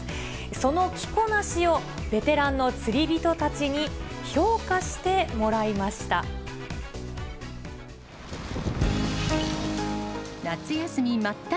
その着こなしを、ベテランの釣り人たちに評価してもらいました。